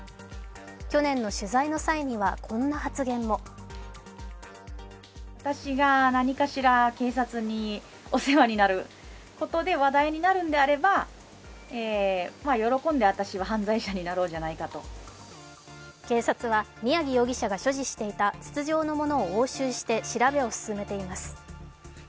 去年の取材の際には、こんな発言も警察は宮城容疑者が所持していた筒状のものを押収して調べを進めています。